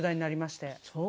そう。